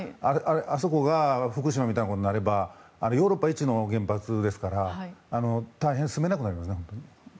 あそこが福島みたいなことになればヨーロッパいちの原発ですから住めなくなります。